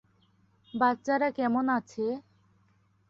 বাচ্চারা কেমন আছে?